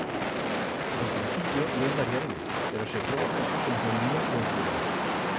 En principio ye invariable, pero se troba casos en femenino u en plural.